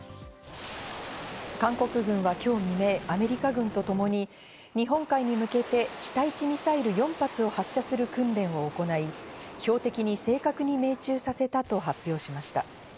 韓国軍は今日未明、アメリカ軍とともに、日本海に向けて地対地ミサイル４発を発射する訓練を行い、標的に正確に命中させたと発表しました。